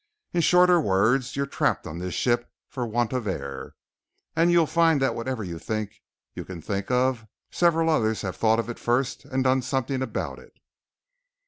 In shorter words you're trapped on this ship for want of air, and you'll find that whatever you think you can think of, several others have thought of it first and done something about it.